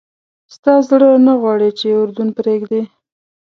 ستا زړه نه غواړي چې اردن پرېږدې.